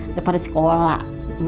udah pada sekolah